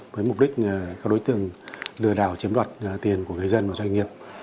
với mục đích các đối tượng lừa đảo chiếm đoạt tiền của người dân và doanh nghiệp